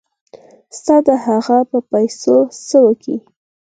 استاده هغه به په پيسو څه وكي.